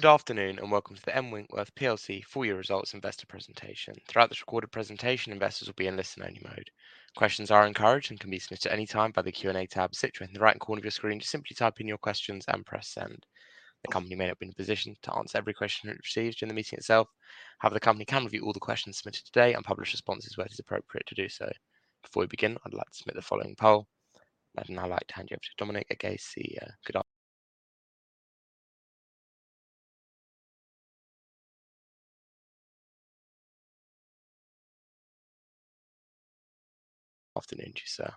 Good afternoon and welcome to the M Winkworth PLC Full Year Results Investor presentation. Throughout this recorded presentation, investors will be in listen-only mode. Questions are encouraged and can be submitted at any time by the Q&A tab situated in the right corner of your screen, to simply type in your questions and press send. The company may not be in a position to answer every question it received during the meeting itself. However, the company can review all the questions submitted today and publish responses where it is appropriate to do so. Before we begin, I'd like to submit the following poll, and I'd now like to hand you over to Dominic Agace, CEO. Good afternoon to you, sir.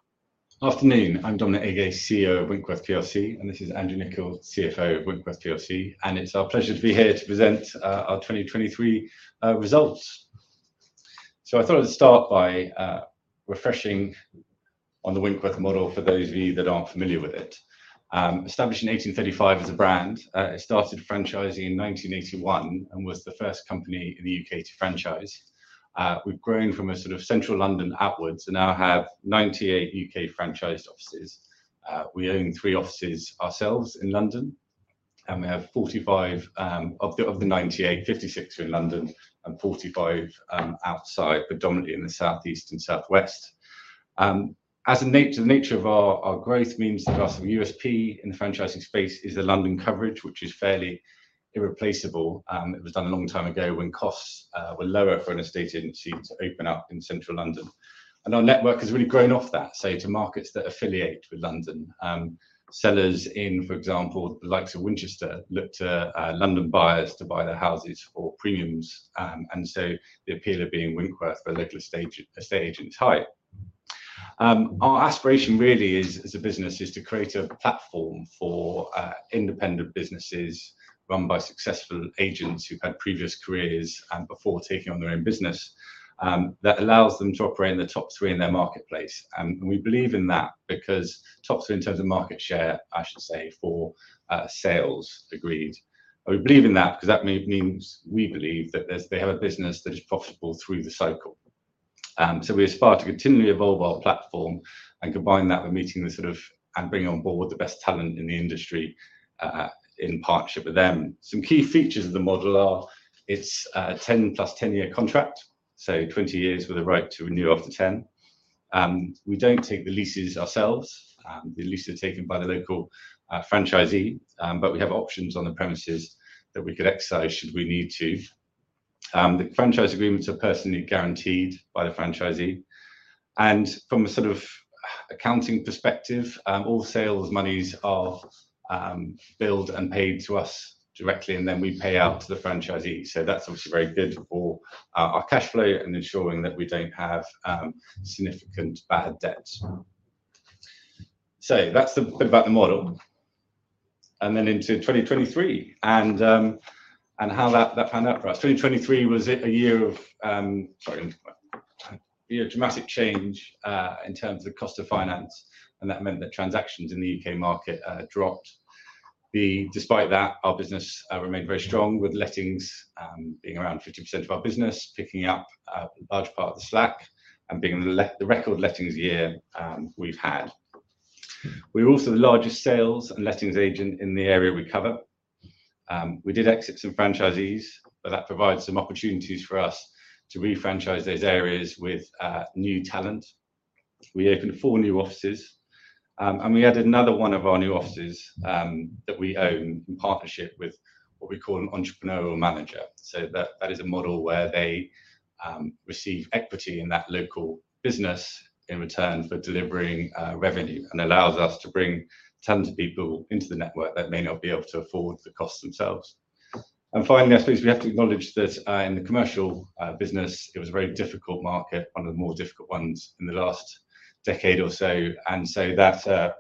Afternoon. I'm Dominic Agace, CEO of Winkworth PLC, and this is Andrew Nicol, CFO of Winkworth PLC, and it's our pleasure to be here to present our 2023 results. So I thought I'd start by refreshing on the Winkworth model for those of you that aren't familiar with it. Established in 1835 as a brand, it started franchising in 1981 and was the first company in the U.K. to franchise. We've grown from a sort of central London outwards and now have 98 U.K. franchised offices. We own three offices ourselves in London, and we have 45 of the 98, 56 are in London and 45 outside, predominantly in the southeast and southwest. As the nature of our growth means that our sort of USP in the franchising space is the London coverage, which is fairly irreplaceable. It was done a long time ago when costs were lower for an estate agency to open up in Central London. Our network has really grown off that, say, to markets that affiliate with London. Sellers in, for example, the likes of Winchester looked to London buyers to buy their houses for premiums, and so the appeal of being Winkworth for local estate agents is high. Our aspiration really is, as a business, to create a platform for independent businesses run by successful agents who've had previous careers before taking on their own business that allows them to operate in the top three in their marketplace. We believe in that because top three in terms of market share, I should say, for sales agreed. We believe in that because that means we believe that they have a business that is profitable through the cycle. So we aspire to continually evolve our platform and combine that with meeting the sort of and bringing on board the best talent in the industry in partnership with them. Some key features of the model are it's a 10-plus 10-year contract, so 20 years with a right to renew after 10 years. We don't take the leases ourselves. The leases are taken by the local franchisee, but we have options on the premises that we could exercise should we need to. The franchise agreements are personally guaranteed by the franchisee. And from a sort of accounting perspective, all sales monies are billed and paid to us directly, and then we pay out to the franchisee. So that's obviously very good for our cash flow and ensuring that we don't have significant bad debt. So that's a bit about the model and then into 2023 and how that panned out for us. 2023 was a year of a dramatic change in terms of the cost of finance, and that meant that transactions in the U.K. market dropped. Despite that, our business remained very strong with lettings being around 50% of our business, picking up a large part of the slack, and being the record lettings year we've had. We're also the largest sales and lettings agent in the area we cover. We did exit some franchisees, but that provides some opportunities for us to refranchise those areas with new talent. We opened four new offices, and we added another one of our new offices that we own in partnership with what we call an entrepreneurial manager. So that is a model where they receive equity in that local business in return for delivering revenue and allows us to bring tons of people into the network that may not be able to afford the costs themselves. And finally, I suppose we have to acknowledge that in the commercial business, it was a very difficult market, one of the more difficult ones in the last decade or so, and so that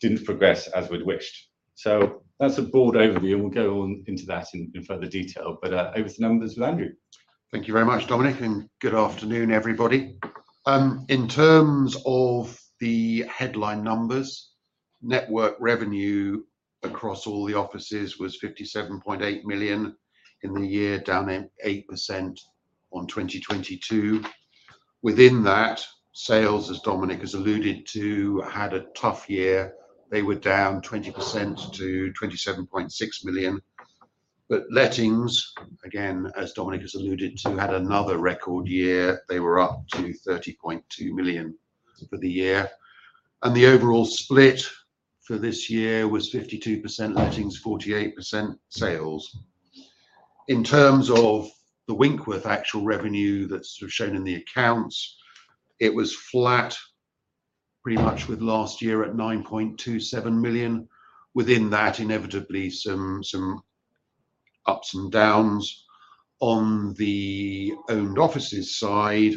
didn't progress as we'd wished. So that's a broad overview, and we'll go on into that in further detail. But over to the numbers with Andrew. Thank you very much, Dominic, and good afternoon, everybody. In terms of the headline numbers, network revenue across all the offices was 57.8 million in the year, down 8% on 2022. Within that, sales, as Dominic has alluded to, had a tough year. They were down 20% to 27.6 million. But lettings, again, as Dominic has alluded to, had another record year. They were up to 30.2 million for the year. And the overall split for this year was 52% lettings, 48% sales. In terms of the Winkworth actual revenue that's sort of shown in the accounts, it was flat pretty much with last year at 9.27 million. Within that, inevitably, some ups and downs. On the owned offices side,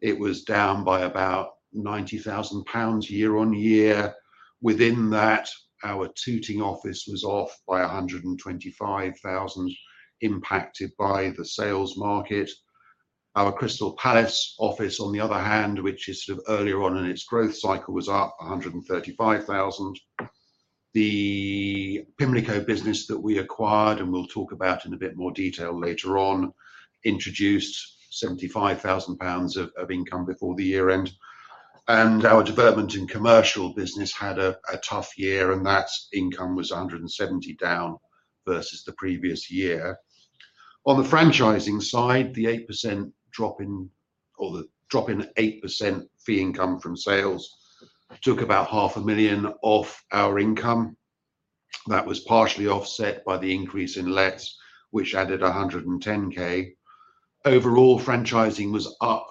it was down by about 90,000 pounds year on year. Within that, our Tooting office was off by 125,000, impacted by the sales market. Our Crystal Palace office, on the other hand, which is sort of earlier on in its growth cycle, was up 135,000. The Pimlico business that we acquired, and we'll talk about in a bit more detail later on, introduced 75,000 pounds of income before the year-end. Our development in commercial business had a tough year, and that income was 170,000 down versus the previous year. On the franchising side, the 8% drop in fee income from sales took about 500,000 off our income. That was partially offset by the increase in lets, which added 110,000. Overall, franchising was up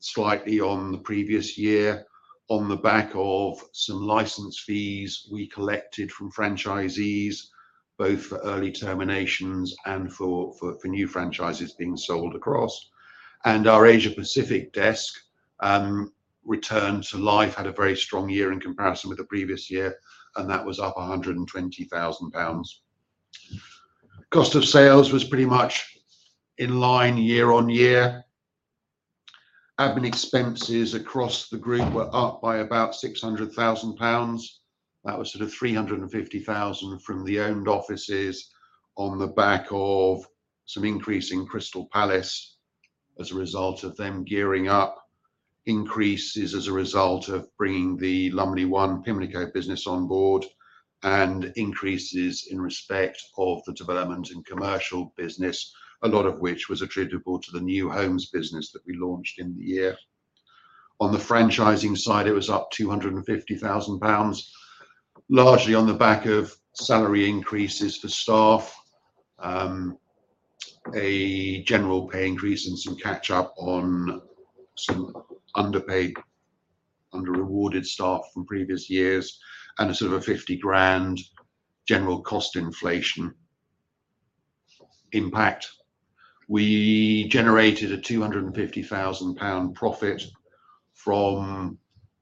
slightly on the previous year on the back of some license fees we collected from franchisees, both for early terminations and for new franchises being sold across. Our Asia Pacific desk returned to life, had a very strong year in comparison with the previous year, and that was up 120,000 pounds. Cost of sales was pretty much in line year-on-year. Admin expenses across the group were up by about 600,000 pounds. That was sort of 350,000 from the owned offices on the back of some increase in Crystal Palace as a result of them gearing up, increases as a result of bringing the Lumley 1 Pimlico business on board, and increases in respect of the development and commercial business, a lot of which was attributable to the new homes business that we launched in the year. On the franchising side, it was up 250,000 pounds, largely on the back of salary increases for staff, a general pay increase, and some catch-up on some underpaid, under-rewarded staff from previous years, and a sort of a 50,000 general cost inflation impact. We generated a 250,000 pound profit from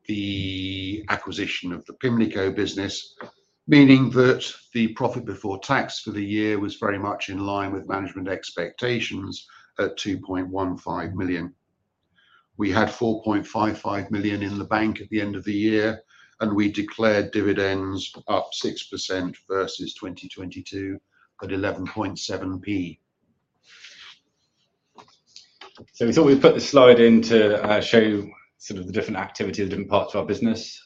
the acquisition of the Pimlico business, meaning that the profit before tax for the year was very much in line with management expectations at 2.15 million. We had 4.55 million in the bank at the end of the year, and we declared dividends up 6% versus 2022 at 11.7p. So we thought we'd put this slide in to show sort of the different activities, the different parts of our business,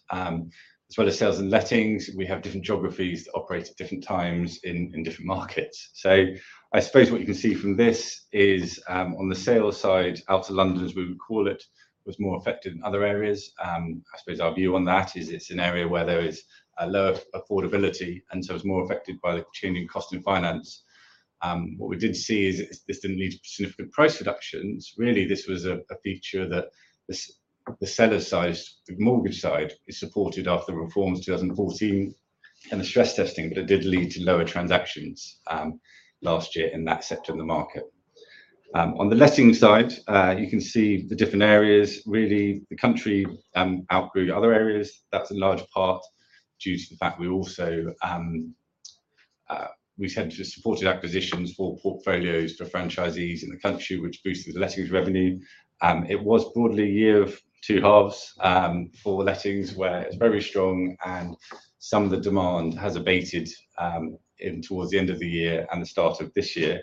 as well as sales and lettings. We have different geographies that operate at different times in different markets. So I suppose what you can see from this is on the sales side, outer London as we would call it, was more affected than other areas. I suppose our view on that is it's an area where there is lower affordability, and so it's more affected by the changing cost and finance. What we did see is this didn't lead to significant price reductions. Really, this was a feature that the seller side, the mortgage side, is supported after the reforms in 2014 and the stress testing, but it did lead to lower transactions last year in that sector in the market. On the lettings side, you can see the different areas. Really, the country outgrew other areas. That's in large part due to the fact we also have supported acquisitions for portfolios for franchisees in the country, which boosted the lettings revenue. It was broadly a year of two 1/2 for lettings, where it's very strong, and some of the demand has abated towards the end of the year and the start of this year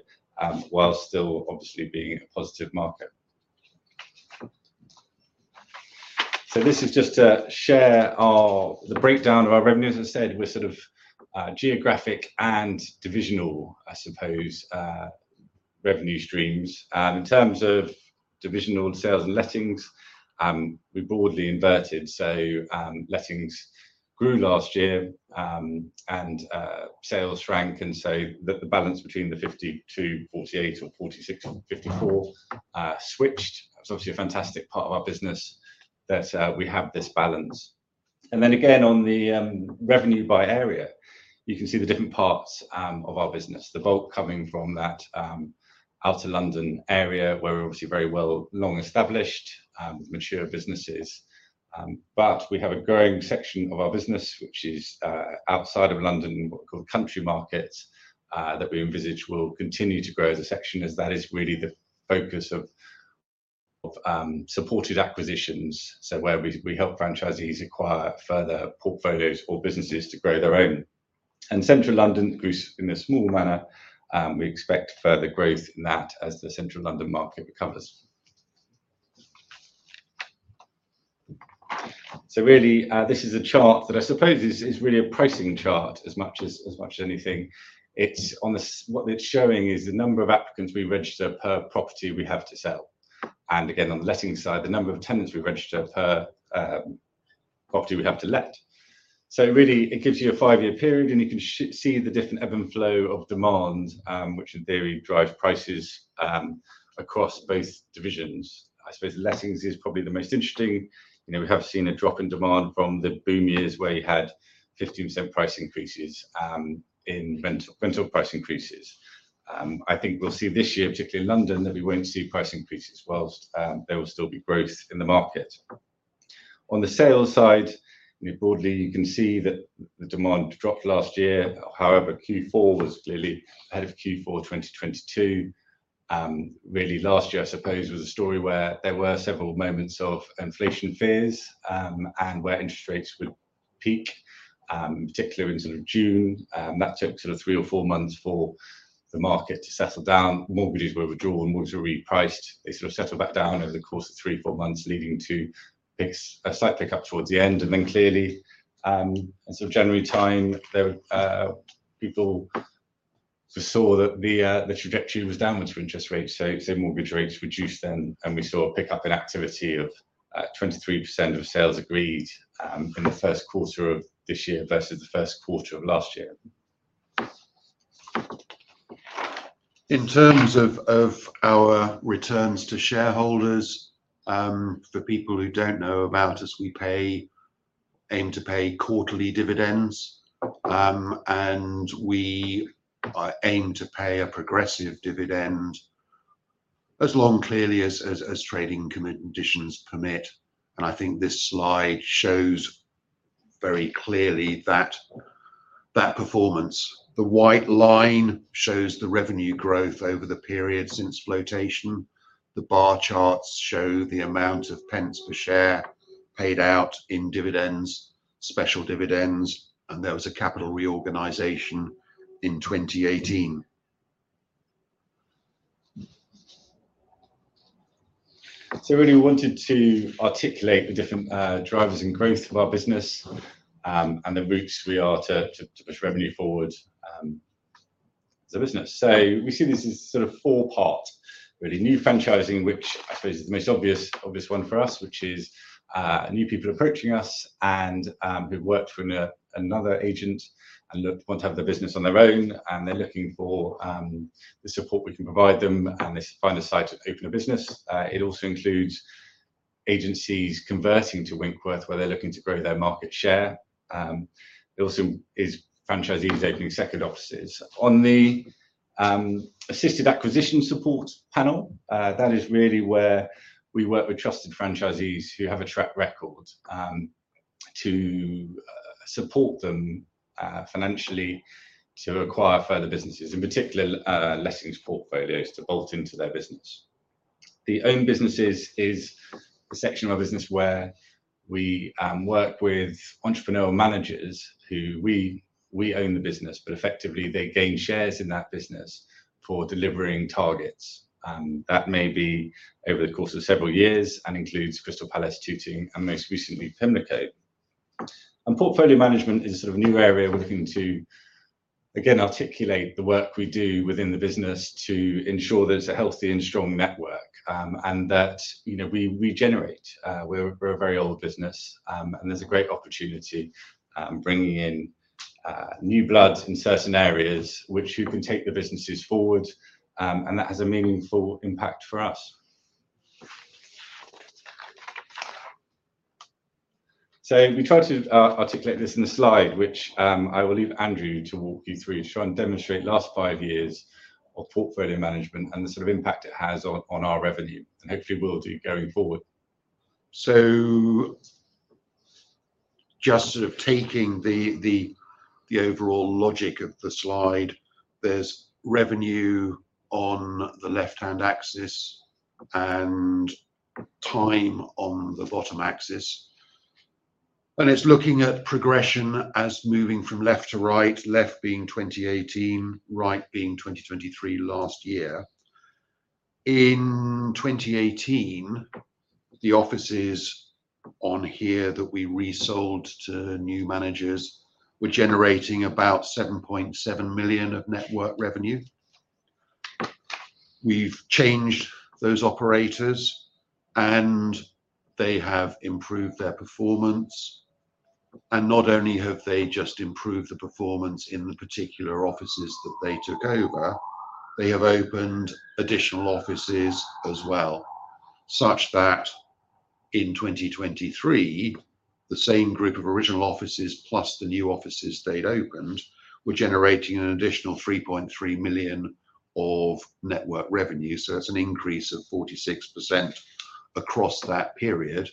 while still obviously being a positive market. This is just to share the breakdown of our revenues. As I said, we're sort of geographic and divisional, I suppose, revenue streams. In terms of divisional sales and lettings, we broadly inverted. Lettings grew last year, and sales shrank, and so the balance between the 50 to 48 or 46 to 54 switched. That's obviously a fantastic part of our business that we have this balance. And then again, on the revenue by area, you can see the different parts of our business, the bulk coming from that outer London area where we're obviously very well long-established, mature businesses. But we have a growing section of our business which is outside of London, what we call the country markets, that we envisage will continue to grow as a section as that is really the focus of supported acquisitions, so where we help franchisees acquire further portfolios or businesses to grow their own. And Central London grew in a small manner. We expect further growth in that as the Central London market recovers. So really, this is a chart that I suppose is really a pricing chart as much as anything. What it's showing is the number of applicants we register per property we have to sell. And again, on the lettings side, the number of tenants we register per property we have to let. So really, it gives you a five-year period, and you can see the different ebb and flow of demand, which in theory drives prices across both divisions. I suppose lettings is probably the most interesting. We have seen a drop in demand from the boom years where you had 15% price increases in rental price increases. I think we'll see this year, particularly in London, that we won't see price increases whilst there will still be growth in the market. On the sales side, broadly, you can see that the demand dropped last year. However, Q4 was clearly ahead of Q4 2022, really, last year, I suppose, was a story where there were several moments of inflation fears and where interest rates would peak, particularly in sort of June. That took sort of three months or four months for the market to settle down. Mortgages were withdrawn. Mortgages were repriced. They sort of settled back down over the course of three months, four months, leading to a slight pickup towards the end. And then clearly, in sort of January time, people saw that the trajectory was downwards for interest rates. So mortgage rates reduced then, and we saw a pickup in activity of 23% of sales agreed in the first quarter of this year versus the first quarter of last year. In terms of our returns to shareholders, for people who don't know about us, we aim to pay quarterly dividends, and we aim to pay a progressive dividend as long, clearly, as trading conditions permit. And I think this slide shows very clearly that performance. The white line shows the revenue growth over the period since flotation. The bar charts show the amount of pence per share paid out in dividends, special dividends, and there was a capital reorganization in 2018. I really wanted to articulate the different drivers in growth of our business and the routes we are to push revenue forward as a business. So we see this as sort of four-part, really, new franchising, which I suppose is the most obvious one for us, which is new people approaching us who have worked for another agent and want to have their business on their own, and they're looking for the support we can provide them and find a site to open a business. It also includes agencies converting to Winkworth where they're looking to grow their market share. It also is franchisees opening second offices. On the assisted acquisition support panel, that is really where we work with trusted franchisees who have a track record to support them financially to acquire further businesses, in particular, lettings portfolios to bolt into their business. The owned businesses is the section of our business where we work with entrepreneurial managers who we own the business, but effectively, they gain shares in that business for delivering targets. That may be over the course of several years and includes Crystal Palace, Tooting, and most recently, Pimlico. Portfolio management is sort of a new area we're looking to, again, articulate the work we do within the business to ensure there's a healthy and strong network and that we regenerate. We're a very old business, and there's a great opportunity bringing in new blood in certain areas who can take the businesses forward, and that has a meaningful impact for us. So we tried to articulate this in the slide, which I will leave Andrew to walk you through, try and demonstrate the last five years of portfolio management and the sort of impact it has on our revenue, and hopefully, will do going forward. Just sort of taking the overall logic of the slide, there's revenue on the left-hand axis and time on the bottom axis. It's looking at progression as moving from left to right, left being 2018, right being 2023 last year. In 2018, the offices on here that we resold to new managers were generating about 7.7 million of network revenue. We've changed those operators, and they have improved their performance. Not only have they just improved the performance in the particular offices that they took over, they have opened additional offices as well, such that in 2023, the same group of original offices plus the new offices they had opened were generating an additional 3.3 million of network revenue. That's an increase of 46% across that period.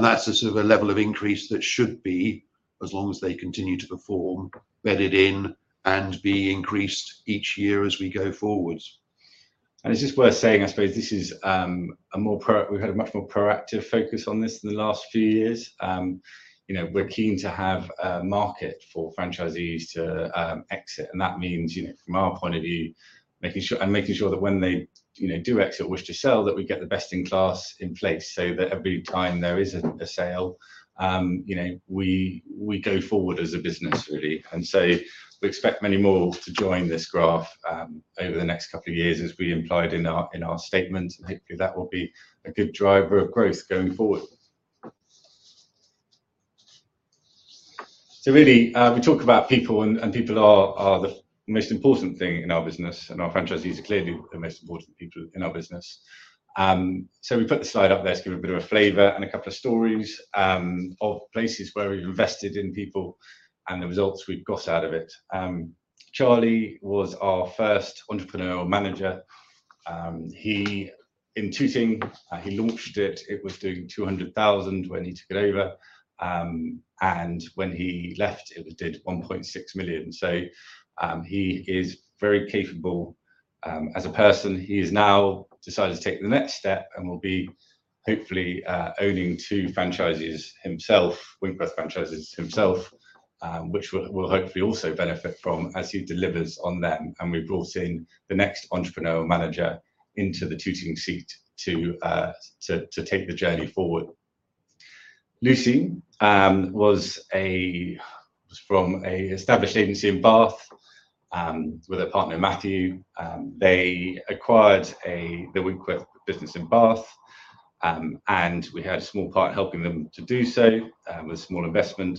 That's a sort of a level of increase that should be, as long as they continue to perform, bedded in, and be increased each year as we go forward. Is this worth saying? I suppose this is more. We've had a much more proactive focus on this in the last few years. We're keen to have a market for franchisees to exit. And that means, from our point of view, and making sure that when they do exit or wish to sell, that we get the best-in-class in place so that every time there is a sale, we go forward as a business, really. And so we expect many more to join this graph over the next couple of years, as we implied in our statement. And hopefully, that will be a good driver of growth going forward. Really, we talk about people, and people are the most important thing in our business. And our franchisees are clearly the most important people in our business. So we put the slide up there to give a bit of a flavor and a couple of stories of places where we've invested in people and the results we've got out of it. Charlie was our first entrepreneurial manager. In Tooting, he launched it. It was doing 200,000 when he took it over. And when he left, it did 1.6 million. So he is very capable as a person. He has now decided to take the next step and will be hopefully owning two franchisees himself, Winkworth franchisees himself, which will hopefully also benefit from as he delivers on them. And we've brought in the next entrepreneurial manager into the Tooting seat to take the journey forward. Lucy was from an established agency in Bath with her partner, Matthew. They acquired the Winkworth business in Bath, and we had a small part helping them to do so with a small investment.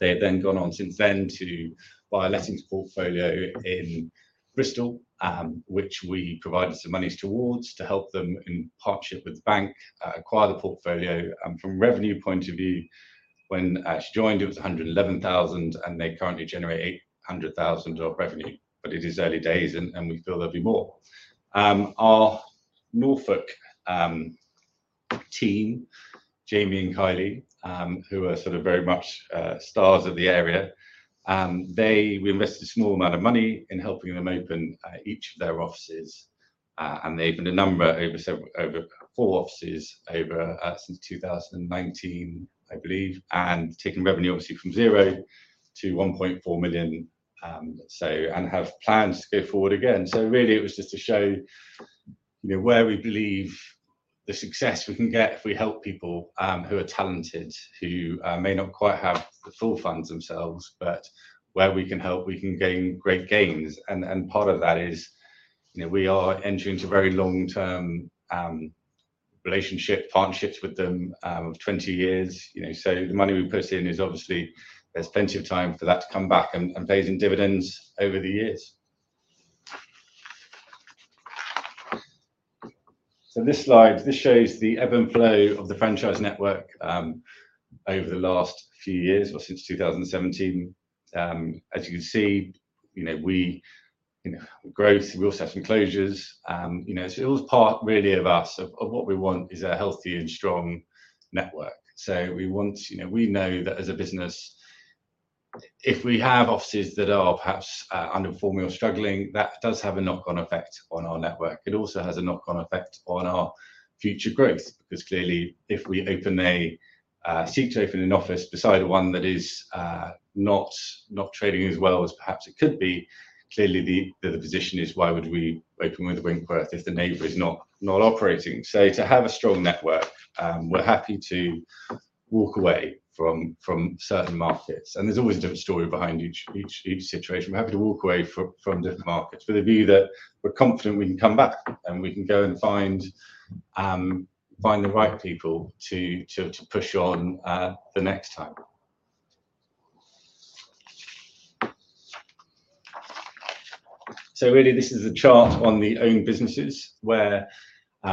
They had then gone on since then to buy a lettings portfolio in Bristol, which we provided some monies towards to help them in partnership with the bank acquire the portfolio. From a revenue point of view, when she joined, it was 111,000, and they currently generate 800,000 of revenue. But it is early days, and we feel there'll be more. Our Norfolk team, Jamie and Kyle, who are sort of very much stars of the area, we invested a small amount of money in helping them open each of their offices. And they opened a number, over four offices, since 2019, I believe, and taken revenue, obviously, from zero to 1.4 million, and have plans to go forward again. So really, it was just to show where we believe the success we can get if we help people who are talented, who may not quite have the full funds themselves, but where we can help, we can gain great gains. And part of that is we are entering into very long-term relationships, partnerships with them of 20 years. So the money we put in is obviously there's plenty of time for that to come back and plays in dividends over the years. So this slide, this shows the ebb and flow of the franchise network over the last few years or since 2017. As you can see, we, you know, growth, we also have some closures. So it was part, really, of us. What we want is a healthy and strong network. So we know that as a business, if we have offices that are perhaps underperforming or struggling, that does have a knock-on effect on our network. It also has a knock-on effect on our future growth because clearly, if we open a seat to open an office beside one that is not trading as well as perhaps it could be, clearly, the position is, why would we open with Winkworth if the neighbor is not operating? So to have a strong network, we're happy to walk away from certain markets. And there's always a different story behind each situation. We're happy to walk away from different markets with a view that we're confident we can come back and we can go and find the right people to push on the next time. So really, this is a chart on the owned businesses where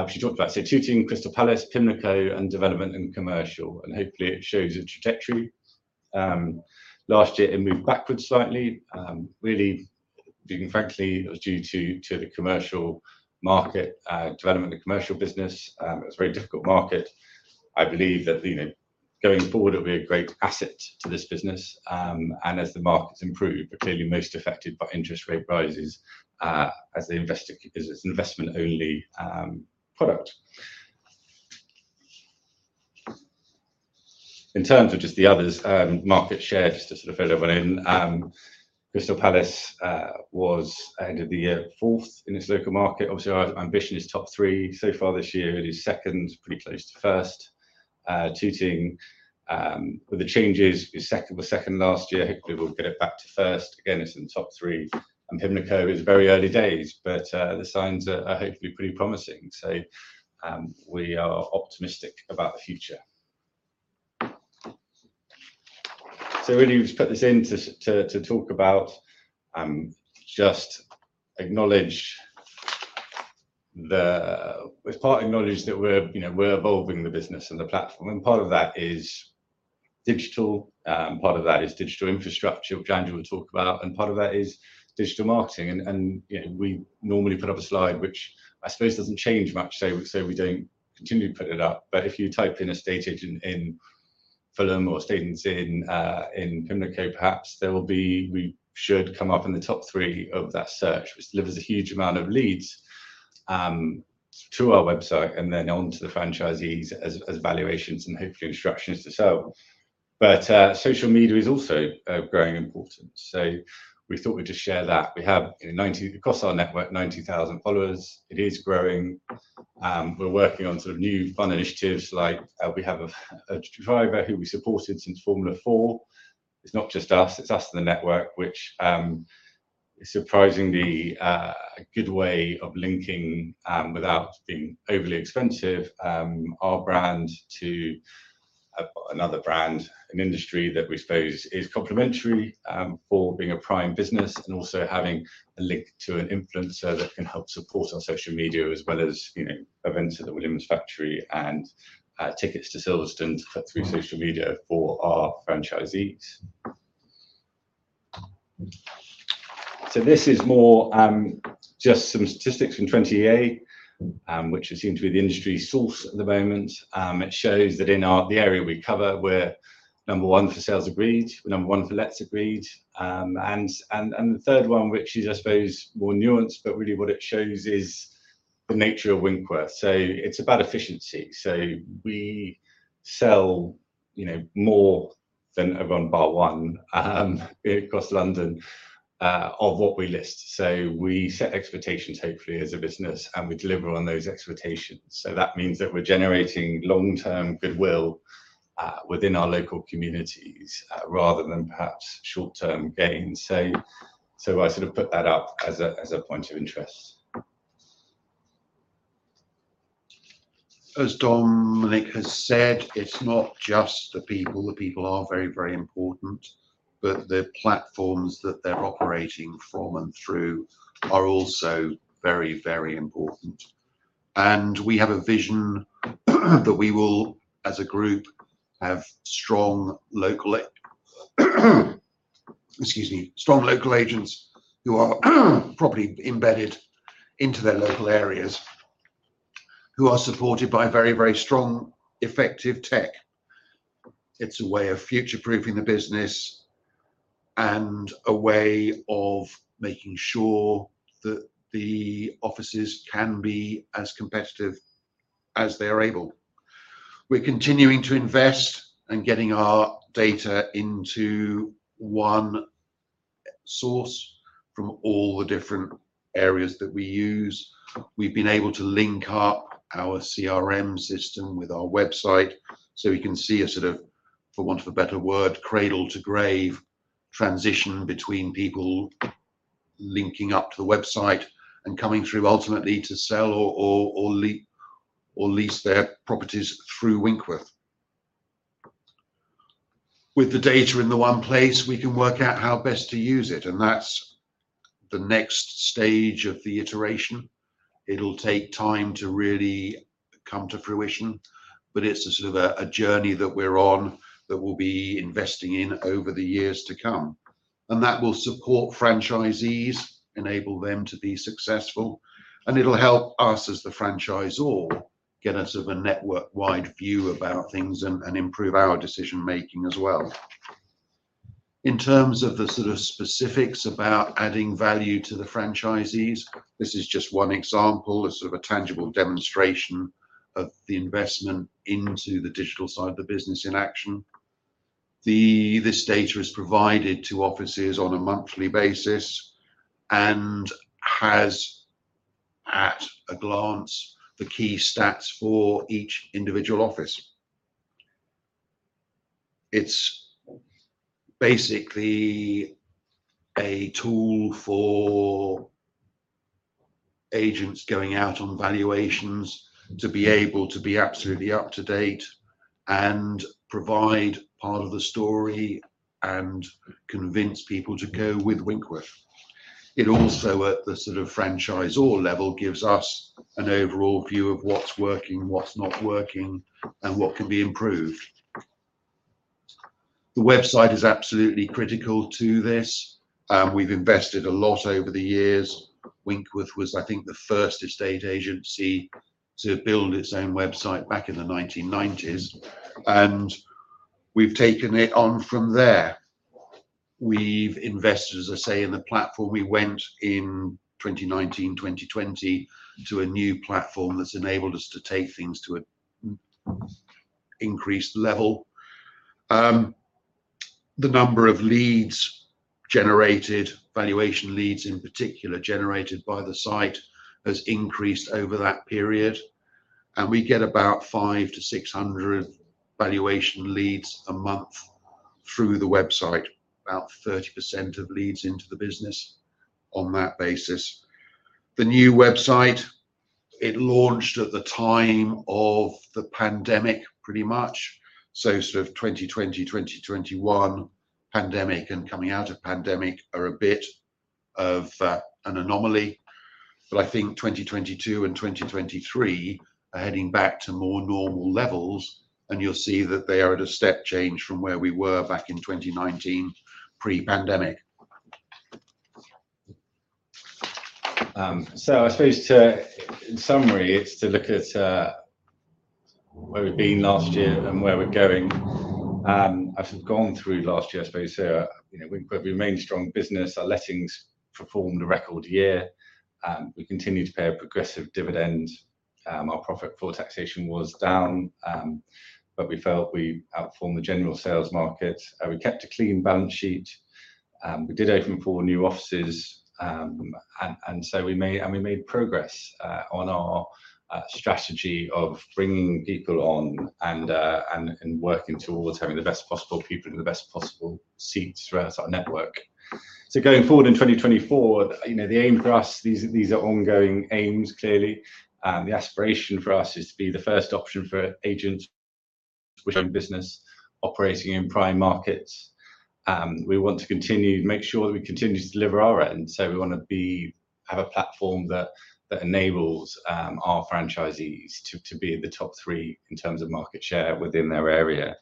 she talked about, so Tooting, Crystal Palace, Pimlico, and development and commercial. Hopefully, it shows a trajectory. Last year, it moved backwards slightly. Really, being frankly, it was due to the commercial market, development of the commercial business. It was a very difficult market. I believe that going forward, it'll be a great asset to this business. As the markets improve, but clearly most affected by interest rate rises as it's an investment-only product. In terms of just the others, market share, just to sort of fill everyone in, Crystal Palace was, end of the year, fourth in its local market. Obviously, our ambition is top three so far this year. It is second, pretty close to first. Tooting, with the changes, was second last year. Hopefully, we'll get it back to first. Again, it's in the top three. Pimlico is very early days, but the signs are hopefully pretty promising. We are optimistic about the future. Really, we've just put this in to talk about just acknowledge the it's part acknowledge that we're evolving the business and the platform, and part of that is digital. Part of that is digital infrastructure, which Andrew will talk about. Part of that is digital marketing. We normally put up a slide, which I suppose doesn't change much, so we don't continue to put it up. But if you type in estate agent in Fulham or estate agents in Pimlico, perhaps we should come up in the top three of that search, which delivers a huge amount of leads to our website and then onto the franchisees as valuations and hopefully instructions to sell. But social media is also of growing importance. So we thought we'd just share that. We have, across our network, 90,000 followers. It is growing. We're working on sort of new fun initiatives like we have a driver who we supported since Formula 4. It's not just us. It's us and the network, which is surprisingly a good way of linking without being overly expensive our brand to another brand, an industry that we suppose is complementary for being a prime business and also having a link to an influencer that can help support our social media as well as events at the Williams factory and tickets to Silverstone through social media for our franchisees. So this is more just some statistics from TwentyEA, which seem to be the industry source at the moment. It shows that in the area we cover, we're number one for sales agreed. We're number one for Lets agreed. And the third one, which is, I suppose, more nuanced, but really what it shows is the nature of Winkworth. So it's about efficiency. So we sell more than ever on par one across London of what we list. So we set expectations, hopefully, as a business, and we deliver on those expectations. So that means that we're generating long-term goodwill within our local communities rather than perhaps short-term gains. So I sort of put that up as a point of interest. As Dominic has said, it's not just the people. The people are very, very important, but the platforms that they're operating from and through are also very, very important. And we have a vision that we will, as a group, have strong local excuse me, strong local agents who are properly embedded into their local areas, who are supported by very, very strong, effective tech. It's a way of future-proofing the business and a way of making sure that the offices can be as competitive as they are able. We're continuing to invest and getting our data into one source from all the different areas that we use. We've been able to link up our CRM system with our website so we can see a sort of, for want of a better word, cradle to grave transition between people linking up to the website and coming through, ultimately, to sell or lease their properties through Winkworth. With the data in the one place, we can work out how best to use it. That's the next stage of the iteration. It'll take time to really come to fruition, but it's a sort of a journey that we're on that we'll be investing in over the years to come. That will support franchisees, enable them to be successful, and it'll help us as the franchisor get a sort of a network-wide view about things and improve our decision-making as well. In terms of the sort of specifics about adding value to the franchisees, this is just one example, a sort of a tangible demonstration of the investment into the digital side of the business in action. This data is provided to offices on a monthly basis and has, at a glance, the key stats for each individual office. It's basically a tool for agents going out on valuations to be able to be absolutely up to date and provide part of the story and convince people to go with Winkworth. It also, at the sort of franchisor level, gives us an overall view of what's working, what's not working, and what can be improved. The website is absolutely critical to this. We've invested a lot over the years. Winkworth was, I think, the first estate agency to build its own website back in the 1990s. We've taken it on from there. We've invested, as I say, in the platform. We went in 2019-2020 to a new platform that's enabled us to take things to an increased level. The number of leads generated, valuation leads in particular, generated by the site has increased over that period. We get about 500 to 600 valuation leads a month through the website, about 30% of leads into the business on that basis. The new website, it launched at the time of the pandemic, pretty much. So sort of 2020, 2021 pandemic and coming out of pandemic are a bit of an anomaly. But I think 2022 and 2023 are heading back to more normal levels, and you'll see that they are at a step change from where we were back in 2019 pre-pandemic. So I suppose, in summary, it's to look at where we've been last year and where we're going. I've sort of gone through last year, I suppose, here. Winkworth remained a strong business. Our lettings performed a record year. We continue to pay a progressive dividend. Our profit for taxation was down, but we felt we outperformed the general sales market. We kept a clean balance sheet. We did open four new offices, and so we made progress on our strategy of bringing people on and working towards having the best possible people in the best possible seats throughout our network. So going forward in 2024, the aim for us, these are ongoing aims, clearly. The aspiration for us is to be the first option for agents which own business operating in prime markets. We want to continue to make sure that we continue to deliver our end. So we want to have a platform that enables our franchisees to be in the top three in terms of market share within their area.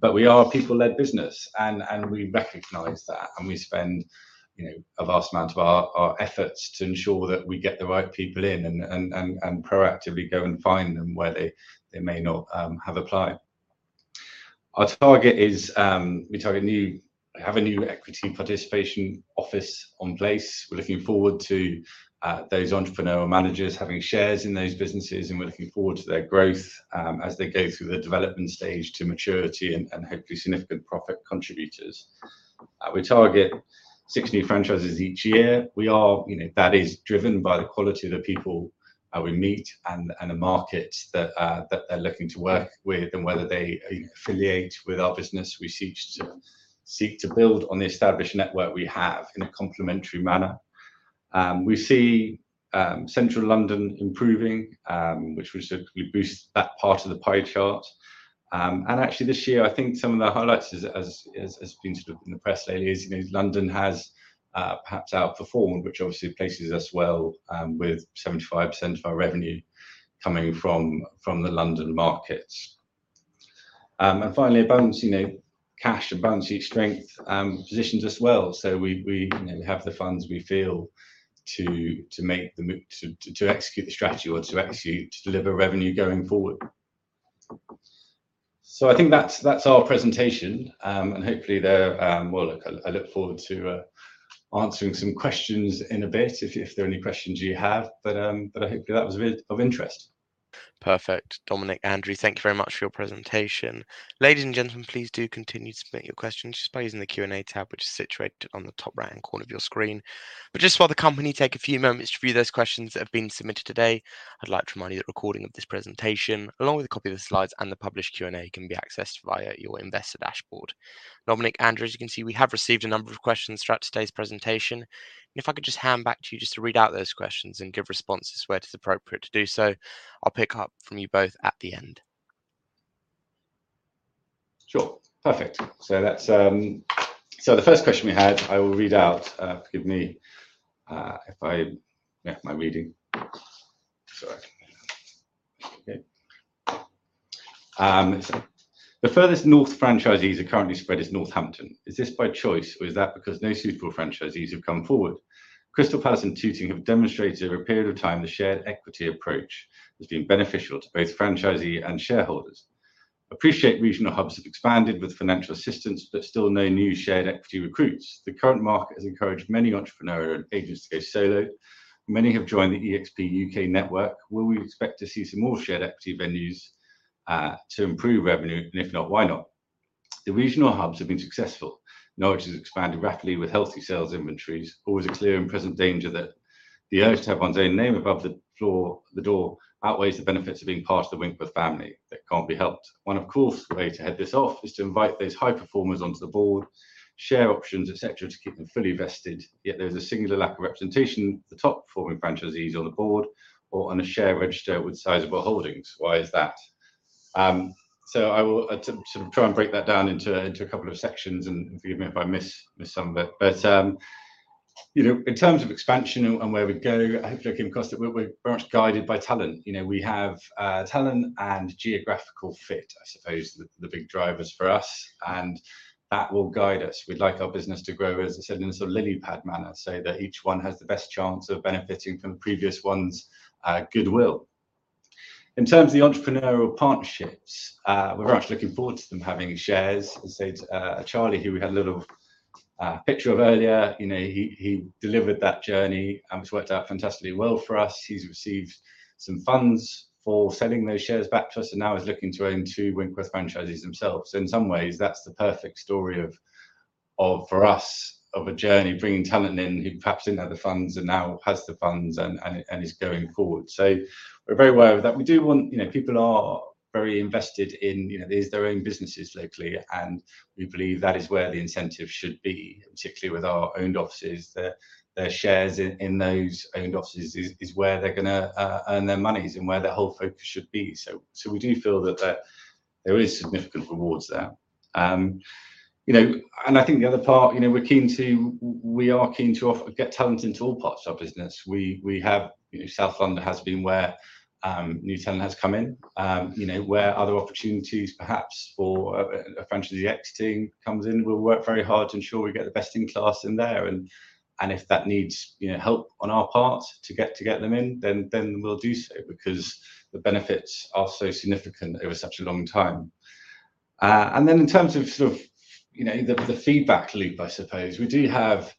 But we are a people-led business, and we recognize that. And we spend a vast amount of our efforts to ensure that we get the right people in and proactively go and find them where they may not have applied. Our target is we target to have a new equity participation office in place. We're looking forward to those Entrepreneurial Managers having shares in those businesses, and we're looking forward to their growth as they go through the development stage to maturity and hopefully significant profit contributors. We target six new franchises each year. That is driven by the quality of the people we meet and the markets that they're looking to work with and whether they affiliate with our business. We seek to build on the established network we have in a complementary manner. We see Central London improving, which would boost that part of the pie chart. Actually, this year, I think some of the highlights, as has been sort of in the press lately, is London has perhaps outperformed, which obviously places us well with 75% of our revenue coming from the London markets. Finally, cash and balance sheet strength positions us well. So we have the funds we feel to execute the strategy or to deliver revenue going forward. So I think that's our presentation. Hopefully, well, look, I look forward to answering some questions in a bit if there are any questions you have. I hope that was of interest. Perfect. Dominic, Andrew, thank you very much for your presentation. Ladies and gentlemen, please do continue to submit your questions just by using the Q&A tab, which is situated on the top right-hand corner of your screen. But just while the company takes a few moments to view those questions that have been submitted today, I'd like to remind you that the recording of this presentation, along with a copy of the slides and the published Q&A, can be accessed via your investor dashboard. Dominic, Andrew, as you can see, we have received a number of questions throughout today's presentation. And if I could just hand back to you just to read out those questions and give responses where it is appropriate to do so, I'll pick up from you both at the end. Sure. Perfect. So the first question we had, I will read out. Forgive me if I, my reading. Okay. The furthest north franchisees are currently spread is Northampton. Is this by choice, or is that because no suitable franchisees have come forward? Crystal Palace and Tooting have demonstrated over a period of time the shared equity approach has been beneficial to both franchisee and shareholders. Appreciate regional hubs have expanded with financial assistance, but still no new shared equity recruits. The current market has encouraged many entrepreneurial agents to go solo. Many have joined the eXp UK network. Will we expect to see some more shared equity venues to improve revenue? And if not, why not? The regional hubs have been successful. Knowledge has expanded rapidly with healthy sales inventories. Always a clear and present danger that the urge to have one's own name above the floor, the door, outweighs the benefits of being part of the Winkworth family, that can't be helped. One, of course, way to head this off is to invite those high performers onto the board, share options, etc., to keep them fully vested. Yet there's a singular lack of representation of the top performing franchisees on the board or on a share register with sizeable holdings. Why is that? I will sort of try and break that down into a couple of sections. Forgive me if I miss some of it. In terms of expansion and where we go, I hope to look at Kim Costa. We're very much guided by talent. We have talent and geographical fit, I suppose, the big drivers for us, and that will guide us. We'd like our business to grow, as I said, in a sort of lily pad manner, so that each one has the best chance of benefiting from the previous one's goodwill. In terms of the entrepreneurial partnerships, we're very much looking forward to them having shares. As I said, Charlie, who we had a little picture of earlier, he delivered that journey and it's worked out fantastically well for us. He's received some funds for selling those shares back to us and now is looking to own two Winkworth franchisees himself. So in some ways, that's the perfect story for us of a journey bringing talent in who perhaps didn't have the funds and now has the funds and is going forward. So we're very aware of that. We do want, people are very invested in they use their own businesses locally, and we believe that is where the incentive should be, particularly with our owned offices. Their shares in those owned offices is where they're going to earn their monies and where their whole focus should be. So we do feel that there is significant rewards there. And I think the other part, we're keen to get talent into all parts of our business. South London has been where new talent has come in, where other opportunities, perhaps, for a franchisee exiting comes in. We'll work very hard to ensure we get the best-in-class in there. And if that needs help on our part to get them in, then we'll do so because the benefits are so significant over such a long time. And then in terms of sort of the feedback loop, I suppose, we do have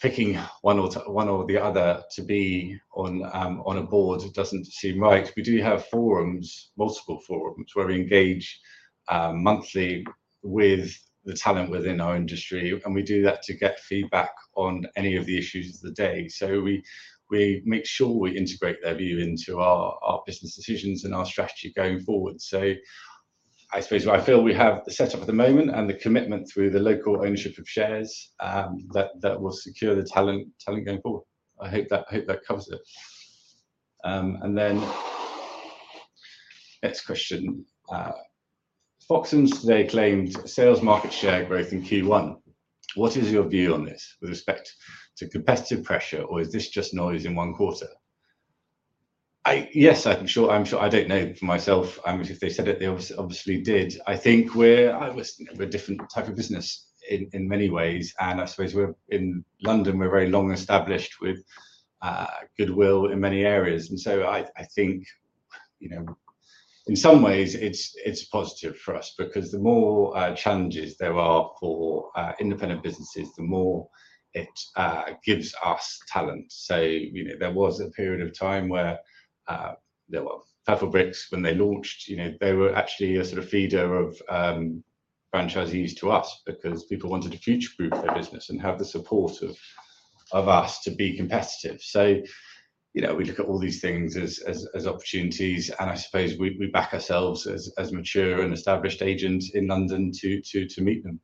picking one or the other to be on a board, it doesn't seem right. We do have forums, multiple forums, where we engage monthly with the talent within our industry. And we do that to get feedback on any of the issues of the day. So we make sure we integrate their view into our business decisions and our strategy going forward. So I suppose I feel we have the setup at the moment and the commitment through the local ownership of shares that will secure the talent going forward. I hope that covers it. And then next question. Foxtons, they claimed sales market share growth in Q1. What is your view on this with respect to competitive pressure, or is this just noise in one quarter? Yes, I'm sure. I don't know for myself. I mean, if they said it, they obviously did. I think we're a different type of business in many ways. I suppose in London, we're very long-established with goodwill in many areas. So I think in some ways, it's positive for us because the more challenges there are for independent businesses, the more it gives us talent. There was a period of time where there were Purplebricks when they launched. They were actually a sort of feeder of franchisees to us because people wanted to future-proof their business and have the support of us to be competitive. We look at all these things as opportunities, and I suppose we back ourselves as mature and established agents in London to meet them.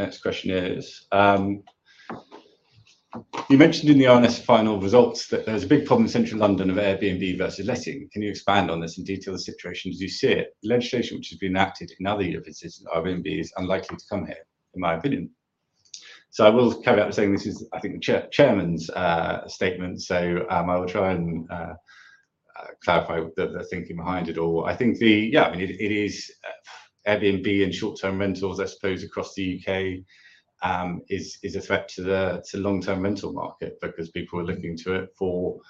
Next question is, you mentioned in the R&S final results that there's a big problem in Central London of Airbnb versus lettings. Can you expand on this and detail the situation as you see it? The legislation which has been enacted in other universities and Airbnb is unlikely to come here, in my opinion. So I will carry out saying this is, I think, the chairman's statement. So I will try and clarify the thinking behind it all. I think, I mean, it is Airbnb and short-term rentals, I suppose, across the U.K. is a threat to the long-term rental market because people are looking to it for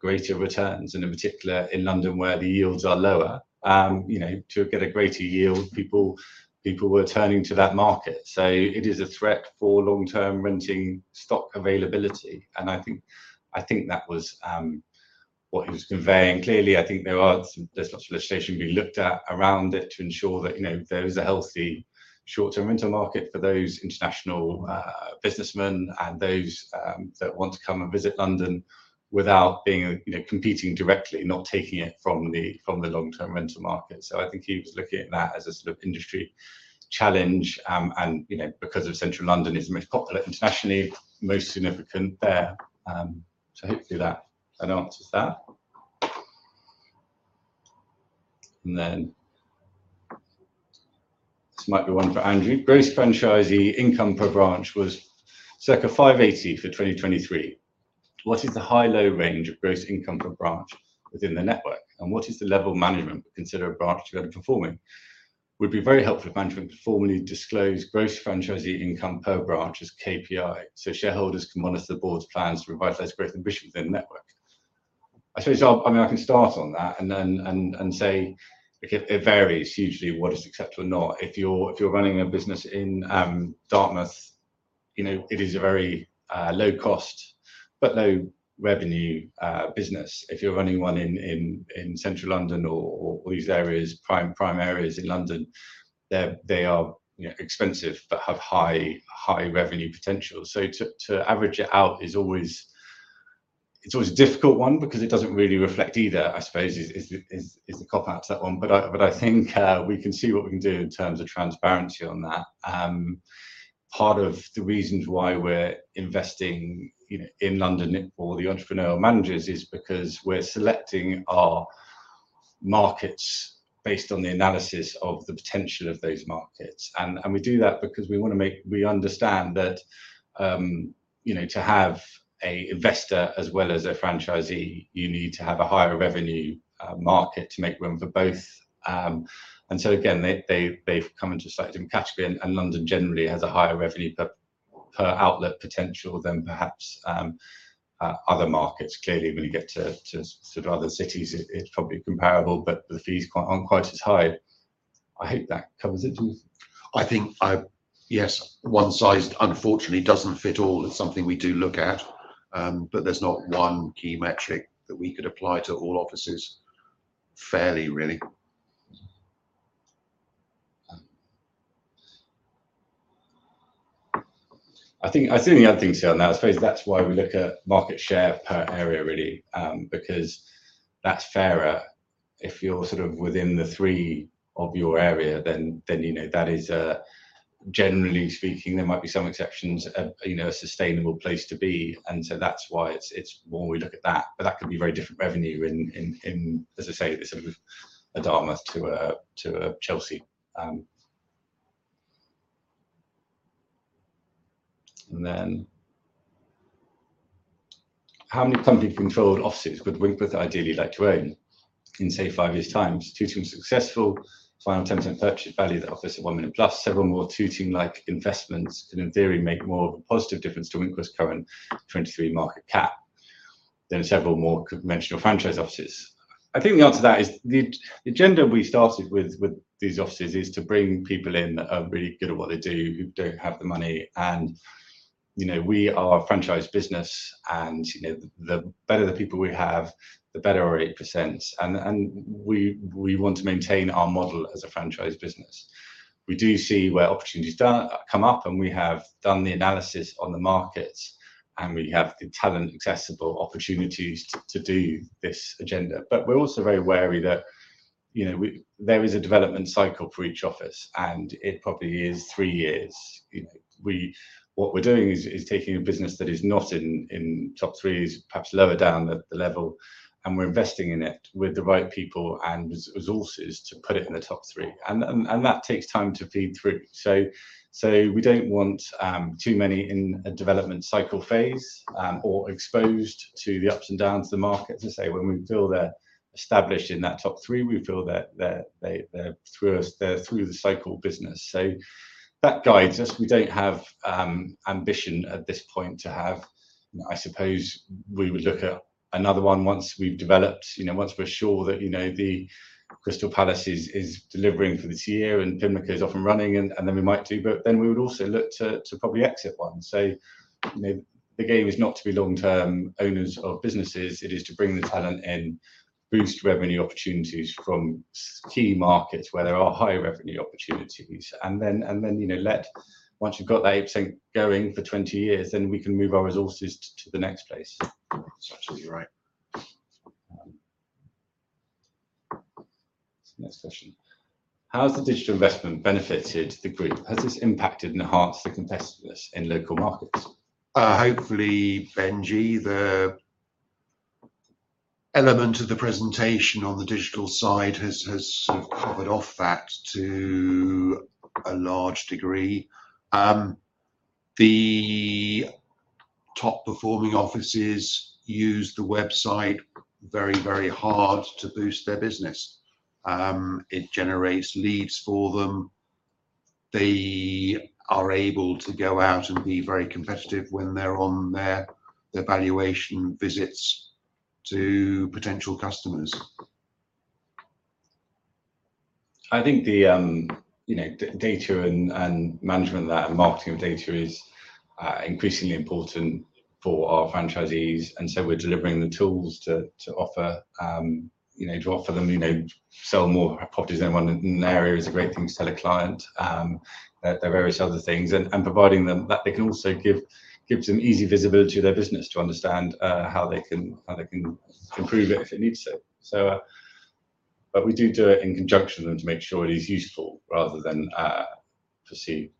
greater returns, and in particular, in London where the yields are lower. To get a greater yield, people were turning to that market. So it is a threat for long-term renting stock availability. And I think that was what he was conveying. Clearly, I think there's lots of legislation being looked at around it to ensure that there is a healthy short-term rental market for those international businessmen and those that want to come and visit London without competing directly, not taking it from the long-term rental market. So I think he was looking at that as a sort of industry challenge. And because Central London is the most popular internationally, most significant there. So hopefully, that answers that. And then this might be one for Andrew. Gross franchisee income per branch was circa 580 for 2023. What is the high-low range of gross income per branch within the network? And what is the level of management to consider a branch to be underperforming? It would be very helpful if management could formally disclose gross franchisee income per branch as KPI so shareholders can monitor the board's plans to revitalize growth ambition within the network. I suppose I mean, I can start on that and say it varies hugely what is acceptable or not. If you're running a business in Dartmouth, it is a very low-cost but low-revenue business. If you're running one in Central London or these prime areas in London, they are expensive but have high revenue potential. So to average it out, it's always a difficult one because it doesn't really reflect either, I suppose, is the cop-out to that one. But I think we can see what we can do in terms of transparency on that. Part of the reasons why we're investing in London or the entrepreneurial managers is because we're selecting our markets based on the analysis of the potential of those markets. We do that because we want to make sure we understand that to have an investor as well as a franchisee, you need to have a higher revenue market to make room for both. So again, they've come into slightly different categories. London generally has a higher revenue per outlet potential than perhaps other markets. Clearly, when you get to sort of other cities, it's probably comparable, but the fees aren't quite as high. I hope that covers it. I think, yes, one size, unfortunately, doesn't fit all. It's something we do look at. But there's not one key metric that we could apply to all offices fairly, really. I think the other thing to say on that, I suppose, that's why we look at market share per area, really, because that's fairer. If you're sort of within the three of your area, then that is, generally speaking, there might be some exceptions, a sustainable place to be. And so that's why it's more we look at that. But that could be very different revenue in, as I say, sort of a Dartmouth to a Chelsea. And then how many company-controlled offices would Winkworth ideally like to own in, say, five years' time? Tooting successful, final 10% purchase value that offers a 1 million plus several more Tooting-like investments can, in theory, make more of a positive difference to Winkworth's current 23 million market cap than several more conventional franchise offices. I think the answer to that is the agenda we started with these offices is to bring people in that are really good at what they do, who don't have the money. We are a franchise business. The better the people we have, the better our 8%. We want to maintain our model as a franchise business. We do see where opportunities come up, and we have done the analysis on the markets, and we have the talent-accessible opportunities to do this agenda. But we're also very wary that there is a development cycle for each office, and it probably is three years. What we're doing is taking a business that is not in top three, is perhaps lower down the level, and we're investing in it with the right people and resources to put it in the top three. That takes time to feed through. So we don't want too many in a development cycle phase or exposed to the ups and downs of the market. As I say, when we feel they're established in that top three, we feel they're through the cycle business. So that guides us. We don't have ambition at this point to have. I suppose we would look at another one once we've developed, once we're sure that the Crystal Palace is delivering for this year and Pimlico is off and running, and then we might do. But then we would also look to probably exit one. So the game is not to be long-term owners of businesses. It is to bring the talent in, boost revenue opportunities from key markets where there are high revenue opportunities, and then let once you've got that 8% going for 20 years, then we can move our resources to the next place. That's absolutely right. Next question. How has the digital investment benefited the group? Has this impacted and enhanced the competitiveness in local markets? Hopefully, Benji, the element of the presentation on the digital side has sort of covered off that to a large degree. The top-performing offices use the website very, very hard to boost their business. It generates leads for them. They are able to go out and be very competitive when they're on their valuation visits to potential customers. I think the data and management of that and marketing of data is increasingly important for our franchisees. So we're delivering the tools to offer them sell more properties than anyone in an area is a great thing to tell a client. There are various other things. Providing them that, they can also give some easy visibility to their business to understand how they can improve it if it needs to. But we do it in conjunction with them to make sure it is useful rather than perceived.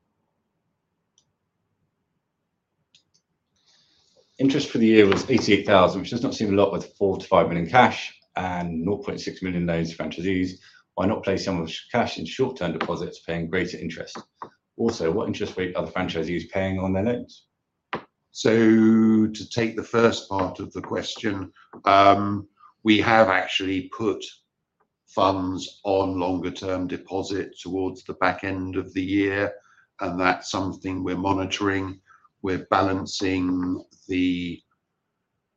Interest for the year was 88,000, which does not seem a lot with 4 million to 5 million cash and 600,000 loans to franchisees. Why not place some of the cash in short-term deposits paying greater interest? Also, what interest rate are the franchisees paying on their loans? So to take the first part of the question, we have actually put funds on longer-term deposit towards the back end of the year. And that's something we're monitoring. We're balancing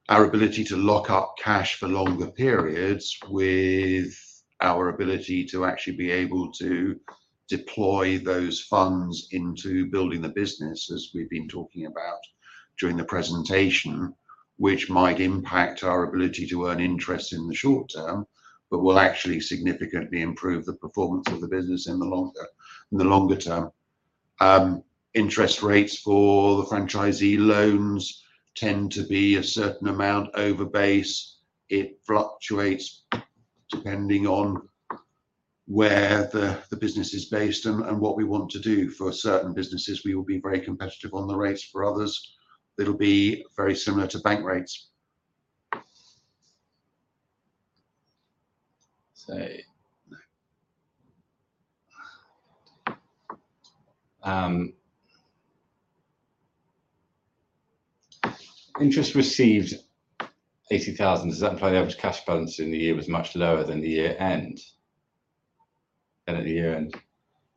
our ability to lock up cash for longer periods with our ability to actually be able to deploy those funds into building the business, as we've been talking about during the presentation, which might impact our ability to earn interest in the short term but will actually significantly improve the performance of the business in the longer term. Interest rates for the franchisee loans tend to be a certain amount over base. It fluctuates depending on where the business is based and what we want to do. For certain businesses, we will be very competitive on the rates. For others, it'll be very similar to bank rates. Interest received 80,000. Does that imply the average cash balance in the year was much lower than the year end?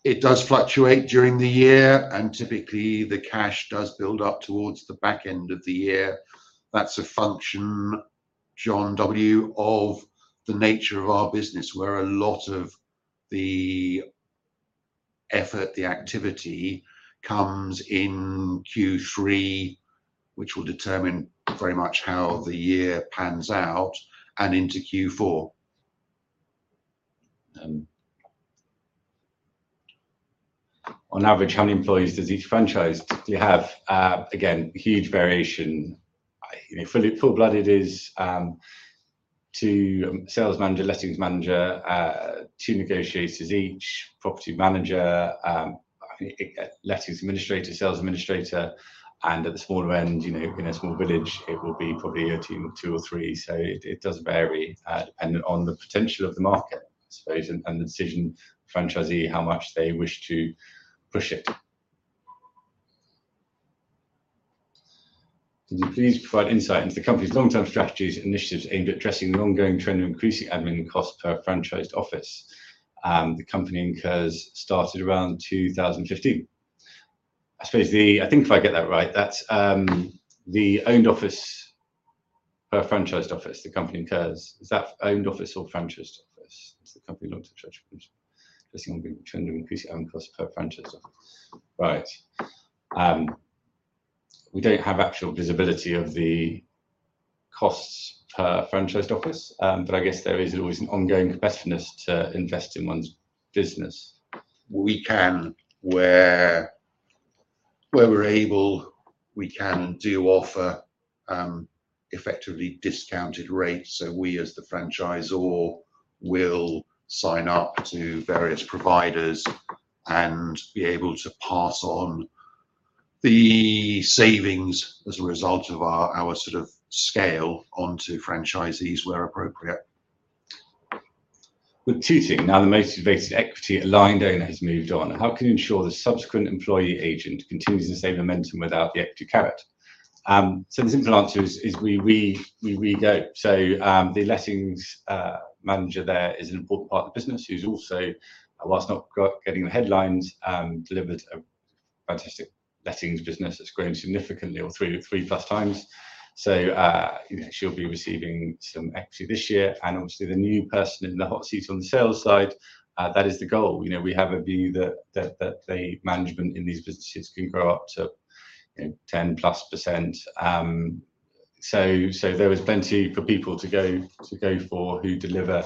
It does fluctuate during the year, and typically, the cash does build up towards the back end of the year. That's a function, John W., of the nature of our business, where a lot of the effort, the activity, comes in Q3, which will determine very much how the year pans out, and into Q4. On average, how many employees does each franchise do you have? Again, huge variation. Full-blooded is to sales manager, lettings manager, two negotiators each, property manager, lettings administrator, sales administrator. And at the smaller end, in a small village, it will be probably a team of two or three. So it does vary depending on the potential of the market, I suppose, and the decision franchisee how much they wish to push it. Could you please provide insight into the company's long-term strategies and initiatives aimed at addressing the ongoing trend of increasing admin costs per franchised office? The company incurs started around 2015. I suppose the I think if I get that right, that's the owned office per franchised office the company incurs. Is that owned office or franchised office? It's the company incurs it addressing the trend of increasing admin costs per franchised office. Right. We don't have actual visibility of the costs per franchised office, but there is always an ongoing competitiveness to invest in one's business. We can. Where we're able, we can do offer effectively discounted rates. So we, as the franchisor, will sign up to various providers and be able to pass on the savings as a result of our sort of scale onto franchisees where appropriate. With Tooting, now the most innovative equity aligned owner has moved on. How can you ensure the subsequent employee agent continues the same momentum without the equity carrot? So the simple answer is we redo. So the lettings manager there is an important part of the business who's also, while not getting the headlines, delivered a fantastic lettings business that's grown significantly or 3+ times. So she'll be receiving some equity this year. And obviously, the new person in the hot seat on the sales side, that is the goal. We have a view that the management in these businesses can grow up to 10+%. So there is plenty for people to go for who deliver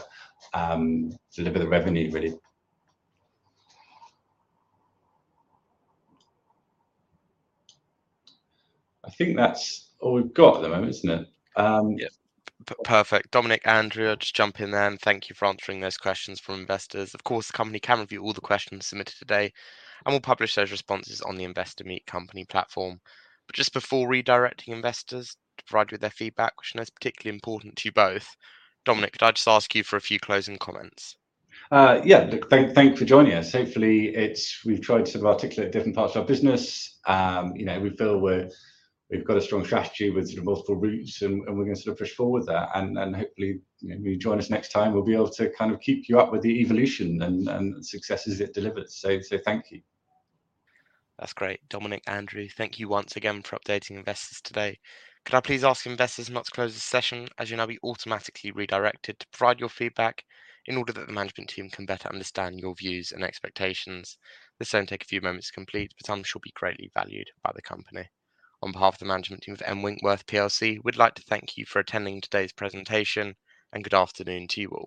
the revenue, really. I think that's all we've got at the moment, isn't it? Yes. Perfect. Dominic, Andrew, just jump in there. Thank you for answering those questions from investors. Of course, the company can review all the questions submitted today, and we'll publish those responses on the Investor Meet Company platform. Just before redirecting investors to provide you with their feedback, which I know is particularly important to you both, Dominic, could I just ask you for a few closing comments? Yeah. Thanks for joining us. Hopefully, we've tried to sort of articulate different parts of our business. We feel we've got a strong strategy with multiple routes, and we're going to sort of push forward with that. Hopefully, when you join us next time, we'll be able to kind of keep you up with the evolution and successes it delivers. Thank you. That's great. Dominic, Andrew, thank you once again for updating investors today. Could I please ask investors not to close this session? As you know, we automatically redirected to provide your feedback in order that the management team can better understand your views and expectations. This won't take a few moments to complete, but some shall be greatly valued by the company. On behalf of the management team of M Winkworth PLC, we'd like to thank you for attending today's presentation. Good afternoon to you both.